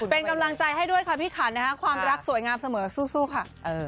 เป็นกำลังใจให้ด้วยค่ะพี่ขันนะคะความรักสวยงามเสมอสู้ค่ะ